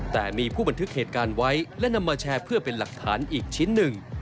แต่มีผู้บันทึกเหตุการณ์ไว้และนำมาแชร์เพื่อเป็นหลักฐานอีกชิ้นหนึ่ง